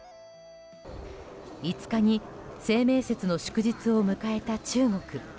５日に清明節の祝日を迎えた中国。